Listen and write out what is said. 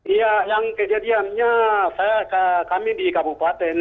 iya yang kejadiannya kami di kabupaten